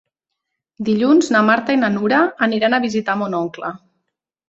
Dilluns na Marta i na Nura aniran a visitar mon oncle.